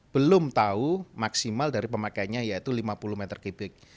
belum tahu maksimal dari pemakaiannya yaitu lima puluh meter kubik